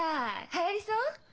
はやりそう？